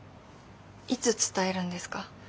いつ伝えるんですか？